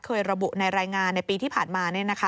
เคยระบุในรายงานในปีที่ผ่านมา